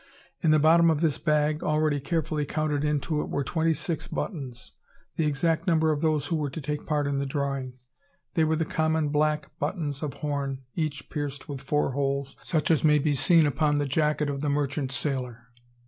In the bottom of this bag, already carefully counted into it, were twenty six buttons: the exact number of those who were to take part in the drawing. They were the common black buttons of horn, each pierced with four holes, such as may be seen upon the jacket of the merchant sailor.